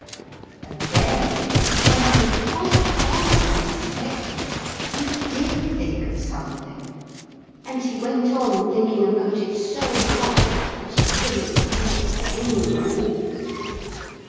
And then, when he was quite far from expecting it, he did think of something. And he went on thinking about it so hard that he couldn't sleep any more.